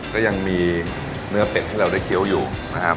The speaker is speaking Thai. ก็ยังมีเนื้อเป็ดให้เราได้เคี้ยวอยู่นะครับ